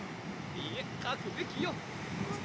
いえ書くべきよ！